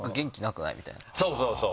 そうそうそう！